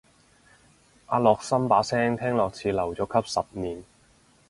阿樂琛把聲聽落似留咗級十年